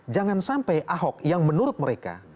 jangan sampai ahok yang menurut mereka